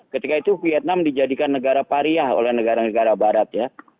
ketika itu vietnam dijadikan negara pariah oleh negara negara barat ya